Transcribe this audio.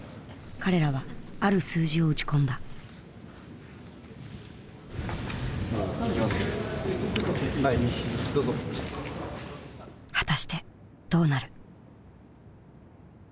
彼らはある数字を打ち込んだ果たしてどうなる？